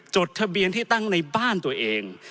จดทะเบียนที่ตั้งในบ้านตัวเอง